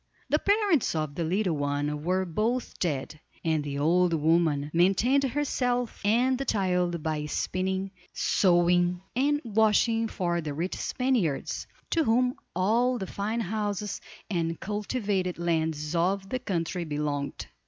The parents of the little one were both dead, and the old woman maintained herself and the child by spinning, sewing, and washing for the rich Spaniards, to whom all the fine houses and cultivated lands of the country belonged.